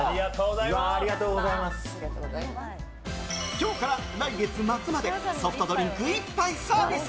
今日から来月末までソフトドリンク１杯サービス。